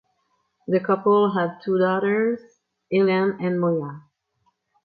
The couple had two daughters Helen and Moya.